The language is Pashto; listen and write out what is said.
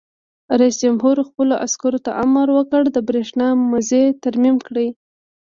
رئیس جمهور خپلو عسکرو ته امر وکړ؛ د برېښنا مزي ترمیم کړئ!